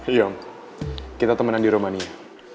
iya kita temenan di romania